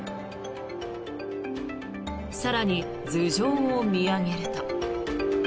更に、頭上を見上げると。